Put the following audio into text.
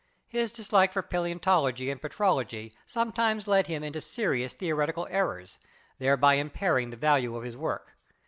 His dislike for Paleontology and Petrology sometimes led him into serious theoretical errors, thereby impairing the value of his work.